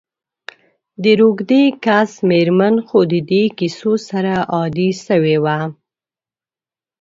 د روږدې کس میرمن خو د دي کیسو سره عادي سوي وه.